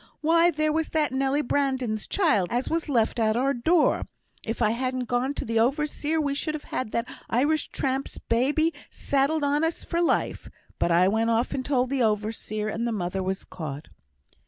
Why, there was that Nelly Brandon's child as was left at our door, if I hadn't gone to th' overseer we should have had that Irish tramp's babby saddled on us for life; but I went off and told th' overseer, and th' mother was caught."